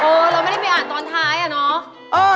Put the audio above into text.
เราไม่ได้ไปอ่านตอนท้ายอะเนาะ